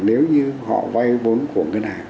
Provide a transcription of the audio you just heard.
nếu như họ vay vốn của ngân hàng